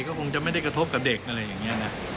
ก็คงจะไม่ได้กระทบกับเด็กอะไรอย่างนี้นะ